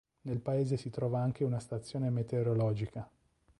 Nel paese si trova anche una stazione meteorologica.